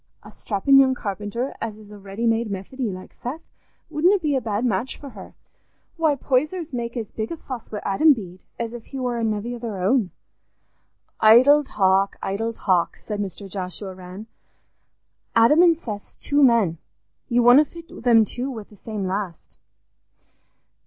A strappin' young carpenter as is a ready made Methody, like Seth, wouldna be a bad match for her. Why, Poysers make as big a fuss wi' Adam Bede as if he war a nevvy o' their own." "Idle talk! idle talk!" said Mr. Joshua Rann. "Adam an' Seth's two men; you wunna fit them two wi' the same last."